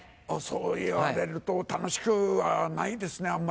そう言われると楽しくはないですねあんまりね。